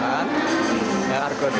yang harus diperlukan untuk menampung